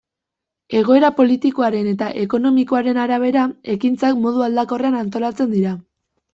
Egoera politikoaren eta ekonomikoaren arabera, ekintzak modu aldakorrean antolatzen dira.